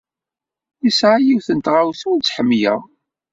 Yesɛa yiwet n tɣawsa ur tt-ḥemmleɣ.